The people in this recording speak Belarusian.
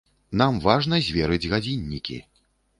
Нам важна зверыць гадзіннікі.